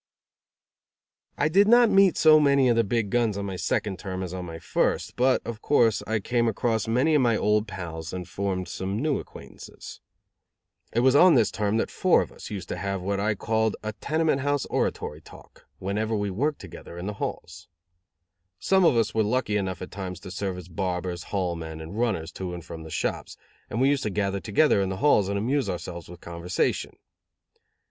I did not meet so many of the big guns on my second term as on my first; but, of course, I came across many of my old pals and formed some new acquaintances. It was on this term that four of us used to have what I called a tenement house oratory talk whenever we worked together in the halls. Some of us were lucky enough at times to serve as barbers, hall men and runners to and from the shops, and we used to gather together in the halls and amuse ourselves with conversation.